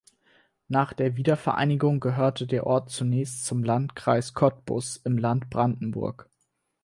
Nach der Wiedervereinigung gehörte der Ort zunächst zum "Landkreis Cottbus" im Land Brandenburg.